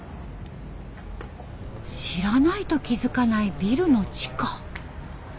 知らないと気付かないビルの地下。